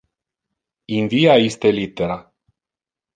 Invia iste littera